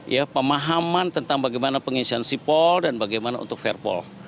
ya pemahaman tentang bagaimana pengisian sipol dan bagaimana untuk fairpol